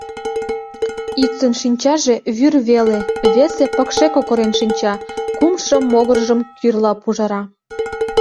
Иктын шинчаже вӱр веле, весе пыкше кокырен шинча, кумшо могыржым кӱрла пужара.